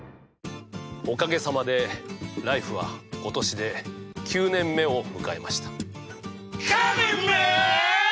おかげさまで「ＬＩＦＥ！」は今年で９年目を迎えました。